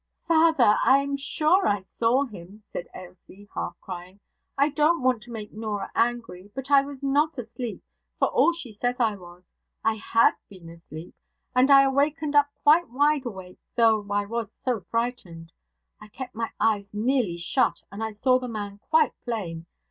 'Father! I'm sure I saw him,' said Ailsie, half crying. 'I don't want to make Norah angry; but I was not asleep, for all she says I was. I had been asleep and I wakened up quite wide awake, though I was so frightened. I kept my eyes nearly shut, and I saw the man quite plain.